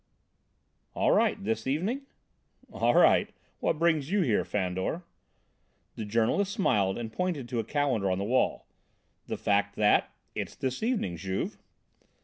"All right, this evening?" "All right. What brings you here, Fandor?" The journalist smiled and pointed to a calendar on the wall: "The fact that it's this evening, Juve."